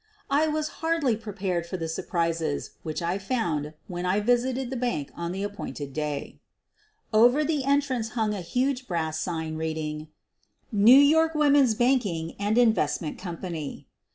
I was hardly prepared for the surprises which I found when I visited the bank on the appointed day. Over the entrance hung a huge brass sign reading, "New York Women's Banking and Investment Company."